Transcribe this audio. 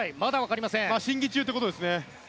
審議中ということですね。